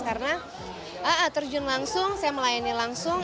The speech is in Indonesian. karena terjun langsung saya melayani langsung